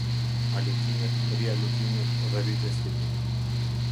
Alokimet, rialokimet dhe ridestinimi.